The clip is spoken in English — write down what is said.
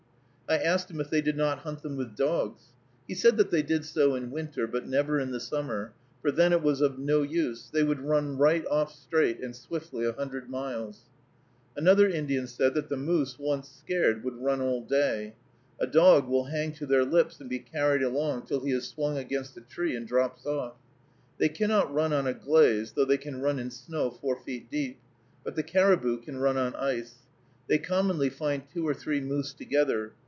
I asked him if they did not hunt them with dogs. He said that they did so in winter, but never in the summer, for then it was of no use; they would run right off straight and swiftly a hundred miles. Another Indian said that the moose, once scared, would run all day. A dog will hang to their lips, and be carried along till he is swung against a tree and drops off. They cannot run on a "glaze," though they can run in snow four feet deep; but the caribou can run on ice. They commonly find two or three moose together.